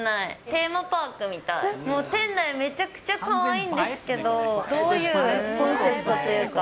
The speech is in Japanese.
テーマパークみたい、店内、めちゃくちゃかわいいんですけど、どういうコンセプトというか。